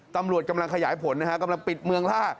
ตำรวจกำลังขยายผลนะฮะกำลังปิดเมืองล่า